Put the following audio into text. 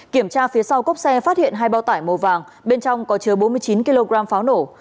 kiểm tra phía sau cốc xe phát hiện hai bao tải màu vàng bên trong có chứa bốn mươi chín kg pháo nổ